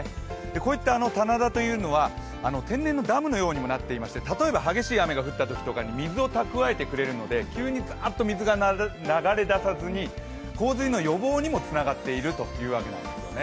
こういった棚田というのは天然のダムのようになっていて例えば激しい雨が降ったときとかに水を蓄えてくれるので急にざーっと水が流れ出さずに洪水の予防にもつながっているというわけです。